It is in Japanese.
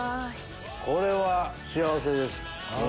これは幸せです。